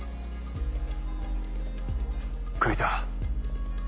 栗田。